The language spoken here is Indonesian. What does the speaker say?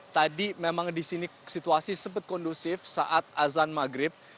tadi memang di sini situasi sempat kondusif saat azan maghrib